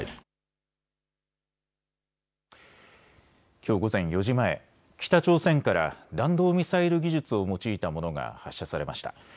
きょう午前４時前、北朝鮮から弾道ミサイル技術を用いたものが発射されました。